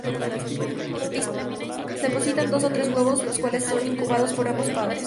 Depositan dos o tres huevos, los cuales son incubados por ambos padres.